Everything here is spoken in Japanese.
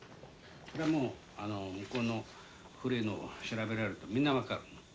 それはもう向こうの古いのを調べられるとみんな分かる。